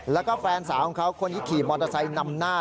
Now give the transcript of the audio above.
แล้วก็แฟนสาวของเขาคนที่ขี่มอเตอร์ไซค์นำหน้า